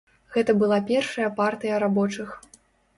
Гэта была першая партыя рабочых.